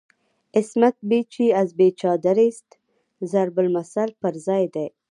"عصمت بی چه از بی چادریست" ضرب المثل پر ځای دی.